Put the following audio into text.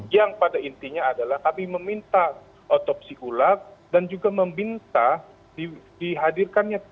yang pada intinya adalah kami meminta otopsi ulang dan juga meminta dihadirkannya